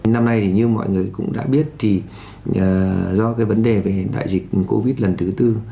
năm nay như mọi người cũng đã biết do vấn đề về đại dịch covid lần thứ tư